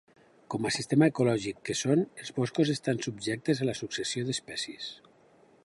Com a sistema ecològic que són, els boscos estan subjectes a la successió d'espècies.